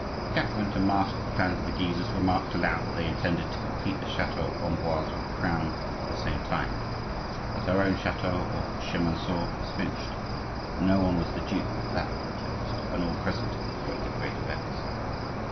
Catherine, to mask the plans of the Guises, remarked aloud that they intended to complete the chateau of Amboise for the Crown at the same time that her own chateau of Chemonceaux was finished. But no one was the dupe of that pretext, and all present awaited great events.